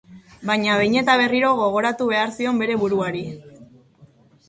Baina behin eta berriro gogoratu behar zion bere buruari.